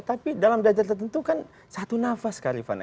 tapi dalam belajar tertentu kan satu nafas kak rifana